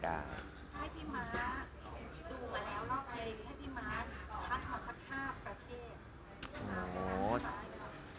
ใช่พี่มั๊กดูมาแล้วเล่าไปให้พี่มั๊กพักขอสักภาพประเทศ